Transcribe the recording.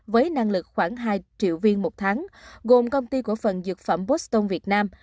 với năng lực khoảng hai triệu viên một tháng gồm công ty cổ phần dược phẩm boton việt nam